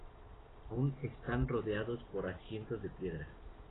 Aún están rodeados por asientos de piedra.